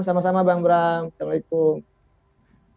selamat malam bang bram assalamu'alaikum